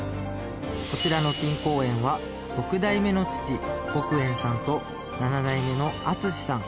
こちらの錦光園は６代目の父墨延さんと７代目の睦さん